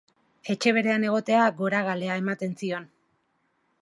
Etxe berean egote hutsak goragalea ematen zion.